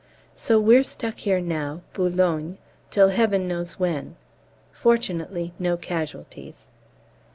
So we're stuck here now (Boulogne) till Heaven knows when. Fortunately no casualties.